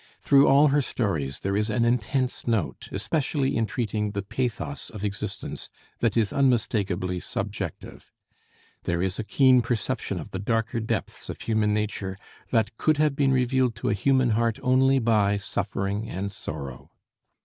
Through all her stories there is an intense note, especially in treating the pathos of existence, that is unmistakably subjective. There is a keen perception of the darker depths of human nature that could have been revealed to a human heart only by suffering and sorrow.